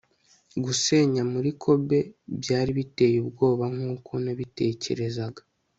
gusenya muri kobe byari biteye ubwoba nkuko nabitekerezaga